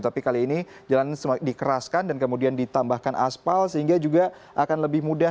tapi kali ini jalan dikeraskan dan kemudian ditambahkan aspal sehingga juga akan lebih mudah